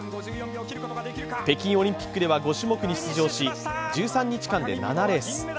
北京オリンピックでは５種目に出場し、１３日間で７レース。